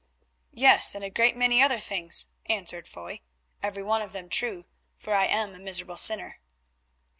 "Yes, and a great many other things," answered Foy, "every one of them true, for I am a miserable sinner.